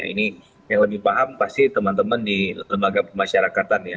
ini yang lebih paham pasti teman teman di lembaga pemasyarakatan ya